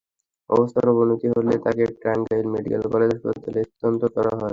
অবস্থার অবনতি হলে তাকে টাঙ্গাইল মেডিকেল কলেজ হাসপাতালে স্থানান্তর করা হয়।